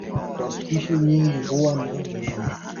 Kwa spishi nyingi huwa na meno.